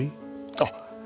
あっ！